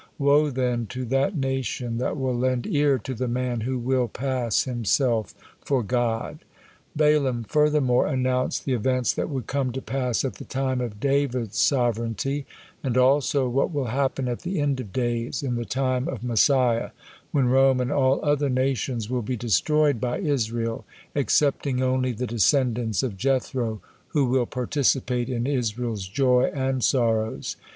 Woe then to that nation that will lend ear to the man who will pass himself for God." Balaam furthermore announced the events that would come to pass at the time of David's sovereignty; and also what will happen at the end of days, in the time of Messiah, when Rome and all other nations will be destroyed by Israel, excepting only the descendants of Jethro, who will participate in Israel's joy and sorrows.